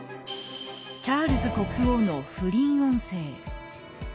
チャールズ国王の不倫音声。